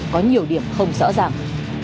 có nhiều điểm không rõ ràng